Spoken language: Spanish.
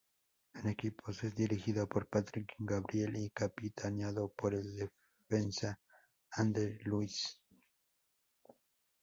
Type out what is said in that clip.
El equipo es dirigido por Patrick Gabriel y capitaneado por el defensa Andre Luiz.